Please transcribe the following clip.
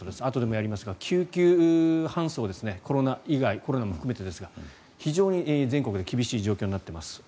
あとでもやりますが救急搬送、コロナ以外コロナも含めてですが非常に全国で厳しい状況になっています。